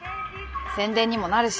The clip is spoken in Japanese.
宣伝にもなるし。